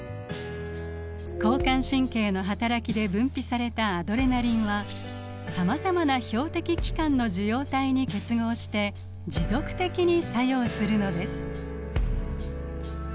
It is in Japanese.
交感神経のはたらきで分泌されたアドレナリンはさまざまな標的器官の受容体に結合して持続的に作用するのです。